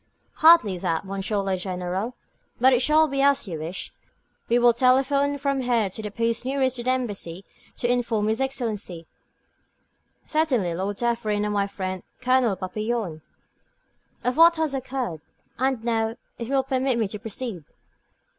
"Hardly that, Monsieur le General. But it shall be as you wish. We will telephone from here to the post nearest the Embassy to inform his Excellency " "Certainly, Lord Dufferin, and my friend, Colonel Papillon." "Of what has occurred. And now, if you will permit me to proceed?"